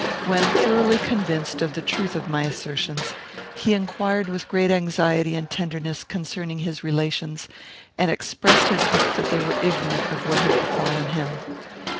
When thoroughly convinced of the truth of my assertions, he inquired with great anxiety and tenderness concerning his relations; and expressed his hope that they were ignorant of what had befallen him.